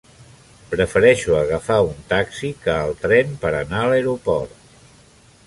Prefereixo agafar un taxi que el tren per anar a l'aeroport.